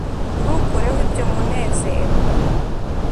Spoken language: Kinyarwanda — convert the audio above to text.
ntukureho ibyo munezero